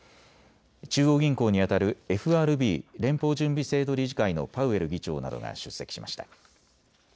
中央銀行にあたるＦＲＢ・連邦準備制度理事会のパウエル議長などが出席しました。